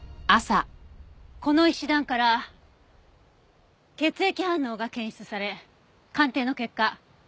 この石段から血液反応が検出され鑑定の結果